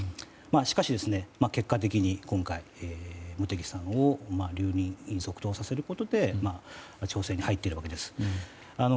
しかし、結果的に今回、茂木さんを留任続投させることで調整に入っているわけです。